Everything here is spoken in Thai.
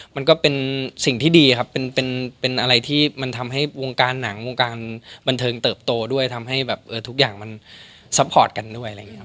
มันก็เป็นสิ่งที่ดีครับเป็นอะไรที่มันทำให้วงการหนังวงการบันเทิงเติบโตด้วยทำให้แบบทุกอย่างมันซัพพอร์ตกันด้วยอะไรอย่างนี้ครับ